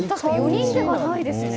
４人ではないですね。